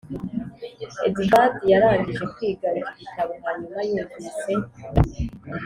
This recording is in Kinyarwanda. Edvard yarangije kwiga icyo gitabo Hanyuma yumvise